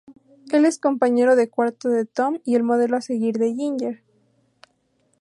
Él es compañero de cuarto de Tom y el modelo a seguir de Ginger.